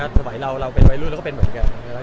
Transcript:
สมัยเราเราเป็นวัยรุ่นเราก็เป็นเหมือนกัน